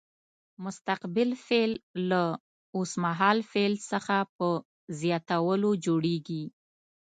مستقبل فعل له اوس مهال فعل څخه په زیاتولو جوړیږي.